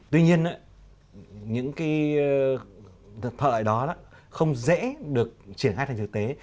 tuy nhiên những thời đó không dễ được triển hạt thành thực tế